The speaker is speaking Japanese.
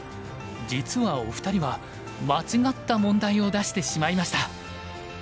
実はお二人は間違った問題を出してしまいました。